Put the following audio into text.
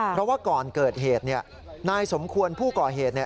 เพราะว่าก่อนเกิดเหตุนายสมควรผู้ก่อเหตุ